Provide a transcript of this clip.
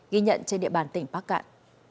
ghi nhận trên địa bàn tỉnh bắc cạn